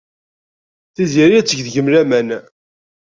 Tiziri ad teg deg-m laman.